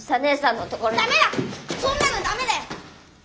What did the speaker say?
そんなのダメだよ！